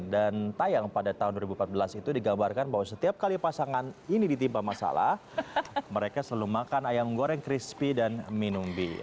dan tayang pada tahun dua ribu empat belas itu digambarkan bahwa setiap kali pasangan ini ditimpa masalah mereka selalu makan ayam goreng crispy dan minum bir